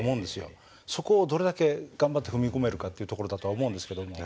そこをどれだけ頑張って踏み込めるかというところだとは思うんですけども。